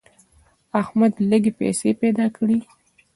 احمد لږې پیسې پیدا کړې.